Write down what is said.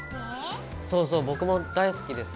そうそう僕も大好きでさ